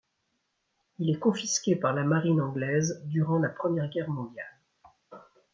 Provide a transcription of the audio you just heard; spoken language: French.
Il est confisqué par la marine anglaise durant la Première Guerre mondiale.